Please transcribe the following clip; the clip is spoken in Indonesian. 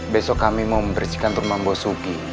besok kami mau membersihkan turmang bosuki